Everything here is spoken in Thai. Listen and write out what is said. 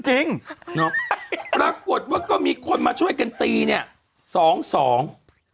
จริงเนอะปรากฏว่าก็มีคนมาช่วยกันตีเนี้ยสองสอง